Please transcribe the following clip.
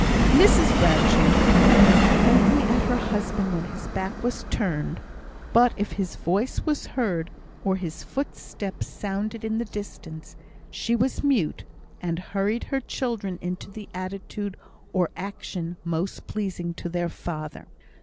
Mrs Bradshaw murmured faintly at her husband when his back was turned; but if his voice was heard, or his footsteps sounded in the distance, she was mute, and hurried her children into the attitude or action most pleasing to their father.